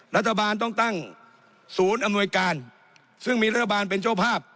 รัฐบาลต้องตั้งศูนย์อำนวยการซึ่งมีรัฐบาลเป็นเจ้าภาพ